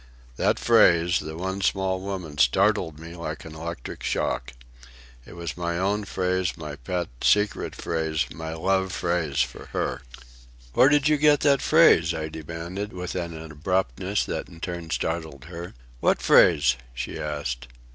That phrase, the "one small woman," startled me like an electric shock. It was my own phrase, my pet, secret phrase, my love phrase for her. "Where did you get that phrase?" I demanded, with an abruptness that in turn startled her. "What phrase?" she asked.